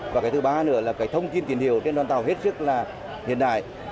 và cái thứ ba nữa là cái thông tin tiền hiệu trên đoàn tàu hết sức là hiện đại